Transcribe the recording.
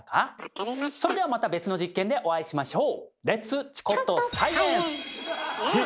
それではまた別の実験でお会いしましょう。